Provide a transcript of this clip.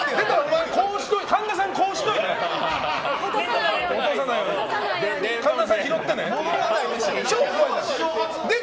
神田さん手、こうしといて。